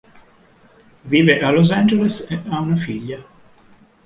Vive a Los Angeles e ha una figlia.